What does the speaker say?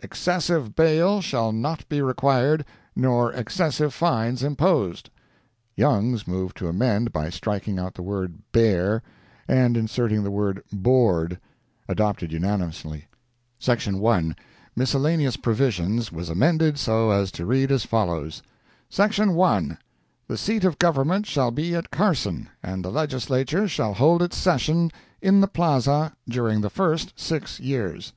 Excessive bail shall not be required, nor excessive fines imposed." Youngs moved to amend by striking out the word "bair'l" and inserting the word "board." Adopted, unanimously. SECTION 1. Miscellaneous Provisions, was amended so as to read as follows: "SECTION 1. The seat of government shall be at Carson, and the Legislature shall hold its session in the plaza during the first six years."